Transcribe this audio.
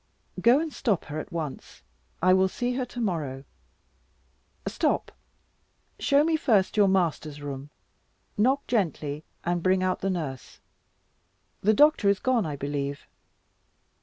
"Go and stop her, at once. I will see her to morrow. Stop, show me first your master's room; knock gently and bring out the nurse. The doctor is gone I believe."